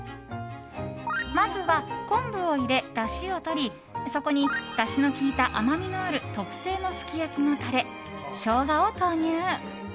まずは昆布を入れ、だしをとりそこに、だしの効いた甘みのある特製のすき焼きのタレショウガを投入。